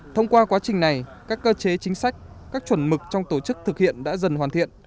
thông qua quá trình này các cơ chế chính sách các chuẩn mực trong tổ chức thực hiện đã dần hoàn thiện